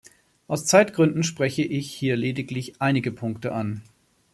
Aus Zeitgründen spreche ich hier lediglich einige Punkte an.